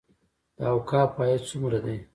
د اوقافو عاید څومره دی؟